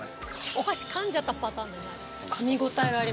お箸かんじゃったパターン。